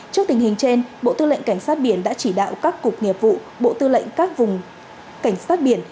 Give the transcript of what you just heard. trước tình hình trên bộ tư lệnh cảnh sát biển đã chỉ đạo các cục nghiệp vụ bộ tư lệnh các vùng cảnh sát biển